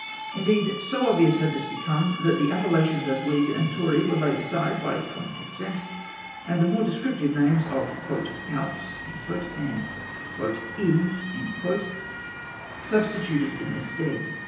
'' Indeed, so obvious had this become, that the appellations of Whig and Tory were laid aside by common consent, and the more descriptive names of " outs " and " ins " substituted in their stead.